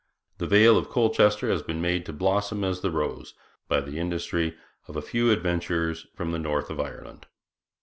The vale of Colchester has been made to blossom as the rose by the industry of a few adventurers from the north of Ireland.